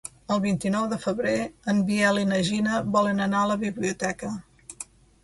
El vint-i-nou de febrer en Biel i na Gina volen anar a la biblioteca.